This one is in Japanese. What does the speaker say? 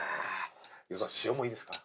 飯尾さん塩もいいですか？